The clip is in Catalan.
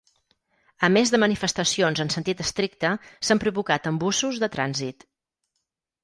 A més de manifestacions en sentit estricte, s’han provocat embussos de trànsit.